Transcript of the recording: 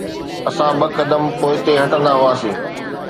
اسان ٻه قدم پوئتي هٽندا هئاسين.